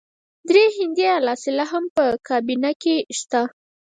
درې هندي الاصله هم په کابینه کې شته.